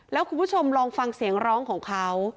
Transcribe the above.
แล้วคุณผู้ชมลองฟังเสียงร้องของเขา